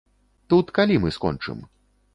Тут калі мы скончым?